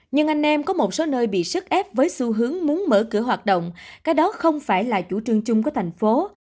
nhưng anh em có một số nơi bị sức ép với xu hướng muốn mở cửa hoạt động cái đó không phải là chủ trương chung của thành phố